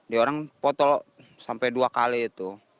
dia orang foto sampai dua kali itu